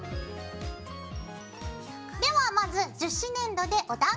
ではまず樹脂粘土でおだんごを作ります。